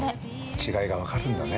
◆違いが分かるんだね。